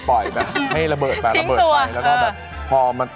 ปล่อยแบบให้ระเบิดไประเบิดไป